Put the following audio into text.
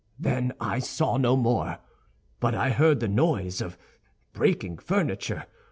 Then I saw no more; but I heard the noise of breaking furniture.